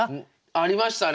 ありましたね。